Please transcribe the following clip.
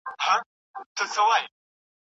تګلاره باید خلګو ته ګټه ورسوي.